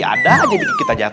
ada aja bikin kita jatuh